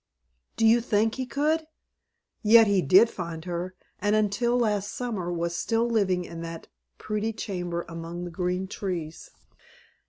Do you think he could? Yet he did find her, and until last summer, was still living in that pretty chamber among the green trees.